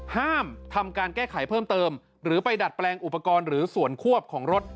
ห้ามทำการแก้ไขเพิ่มเติมหรือไปดัดแปลงอุปกรณ์หรือส่วนควบของรถ